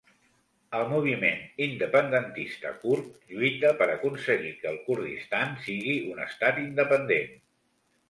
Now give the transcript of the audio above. El moviment independentista kurd lluita per aconseguir que el Kurdistan sigui un estat independent.